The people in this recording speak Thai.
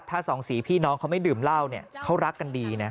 ถ้าสองสีพี่น้องเขาไม่ดื่มเหล้าเนี่ยเขารักกันดีนะ